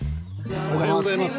おはようございます。